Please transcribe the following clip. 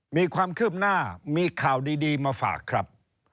มีความคืบหน้ามีข่าวดีมาฝากครับ